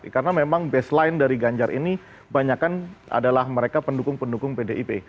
karena memang baseline dari ganjar ini banyakkan adalah mereka pendukung pendukung pdip